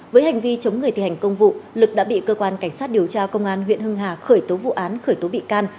với hành vi chống người thi hành công vụ lực đã bị cơ quan cảnh sát điều tra công an huyện hưng hà khởi tố vụ án khởi tố bị can